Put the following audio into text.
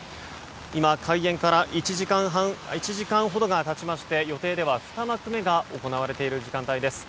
今、開演から１時間ほどが経ちまして予定では２幕目が行われている時間帯です。